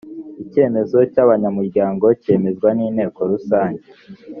icyemezo cy’abanyamuryango cyemezwa n’inteko rusange